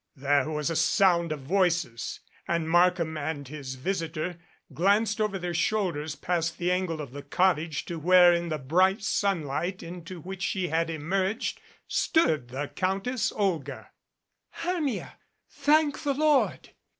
There was a sound of voices, and Markham and his visitor glanced over their shoulders past the angle of the cottage to where in the bright sunlight into which she had emerged, stood the Countess Olga. "Hermia, thank the Lord!"